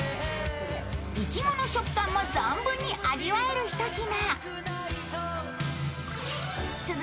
いちごの食感も存分に味わえるひと品。